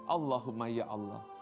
allahumma ya allah